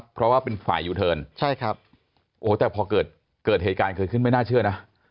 เพราะว่าเป็นฝ่ายยูเทิร์นแต่พอเกิดเหตุการณ์ขึ้นไม่น่าเชื่อนะ